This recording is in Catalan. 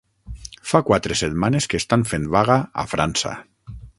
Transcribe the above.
Fa quatre setmanes que estan fent vaga a França